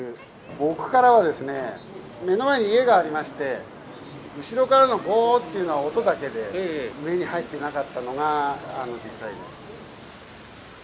僕からはですね、目の前に家がありまして、後ろからのごーっというような音だけで、目に入ってなかったのが実際です。